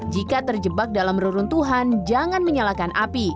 jika terjebak dalam reruntuhan jangan menyalakan api